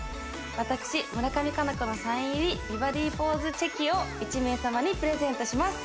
私村上佳菜子のサイン入り美バディポーズチェキを１名様にプレゼントします